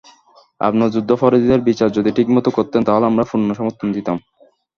আপনারা যুদ্ধাপরাধীদের বিচার যদি ঠিকমতো করতেন তাহলে আমরা পূর্ণ সমর্থন দিতাম।